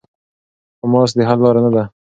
خو ماسک د حل لاره نه ده.